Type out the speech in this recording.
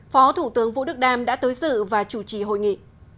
phó thủ tướng vũ đức đam đã tới dự và chủ trì hội nghị